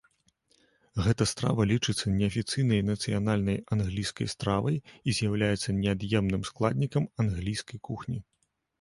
Гэта страва лічыцца неафіцыйнай нацыянальнай англійскай стравай і з'яўляецца неад'емным складнікам англійскай кухні.